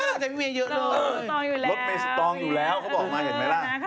ท่อตรองอยู่แล้วลุดเมสตองอยู่แล้ว